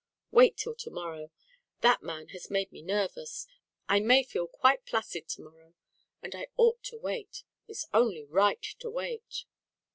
Wait till to morrow. That man has made me nervous; I may feel quite placid to morrow, and I ought to wait. It is only right to wait."